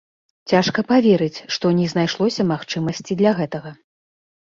Цяжка паверыць, што не знайшлося магчымасці для гэтага.